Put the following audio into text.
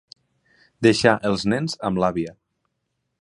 Deixar els nens amb l'àvia.